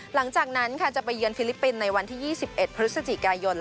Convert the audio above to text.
หลังจากนั้นค่ะจะไปเยือนฟิลิปปินส์ในวันที่๒๑พฤศจิกายน